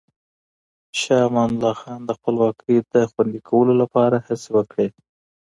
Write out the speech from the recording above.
شاه امان الله خان د خپلواکۍ د خوندي کولو لپاره هڅې وکړې.